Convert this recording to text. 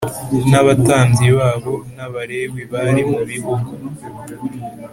N abatambyi babo n abalewi bari mu bihugu